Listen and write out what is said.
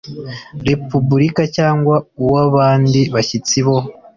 Repubulika cyangwa uw abandi bashyitsi bo